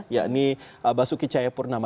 yakni basuki chayapurnama